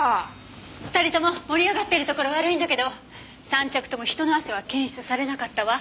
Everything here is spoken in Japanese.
２人とも盛り上がってるところ悪いんだけど３着とも人の汗は検出されなかったわ。